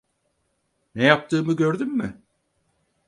Ne yaptığımı gördün mü?